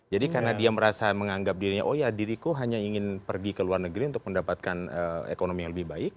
jadi karena dia merasa menganggap dirinya oh ya diriku hanya ingin pergi ke luar negeri untuk mendapatkan ekonomi yang lebih baik